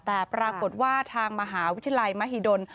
แต่ปรากฏว่าทางมหาวิทยาลัยมหิดล